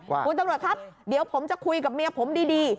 คุณตำรวจครับเดี๋ยวผมจะคุยกับเมียผมดี